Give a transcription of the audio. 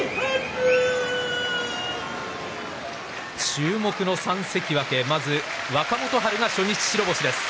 注目の３関脇、まず若元春が初日白星です。